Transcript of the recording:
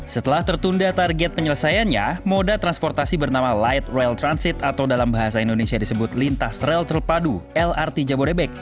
setelah tertunda target penyelesaiannya moda transportasi bernama light rail transit atau dalam bahasa indonesia disebut lintas rail terpadu lrt jabodebek